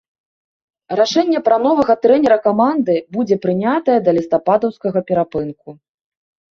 Рашэнне пра новага трэнера каманды будзе прынятае да лістападаўскага перапынку.